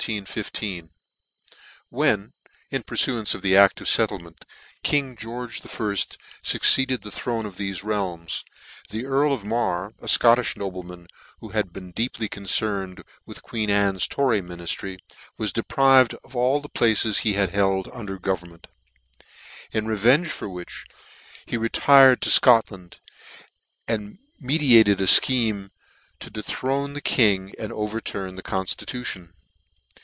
w HEN, in purfuance of the act of fettle ment, king George the Firft fucceeded to the 1 82 NEW NEWGATE CALENDAR. the throne of thefe realms, the carl of Mar, $ Scottifli nobleman, who had been deeply con cerned with queen Anne's tory miniftry, was deprived of all the places he held under the government ; in revenge for which he retired to Scotland, and meditated a fcheme to dethrone the king, and overturn the conftitution.